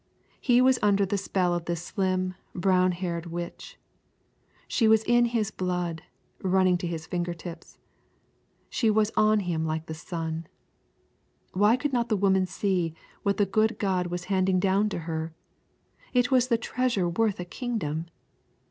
He was under the spell of this slim, brown haired witch. She was in his blood, running to his finger tips. She was on him like the sun. Why could not the woman see what the good God was handing down to her? It was the treasure worth a kingdom.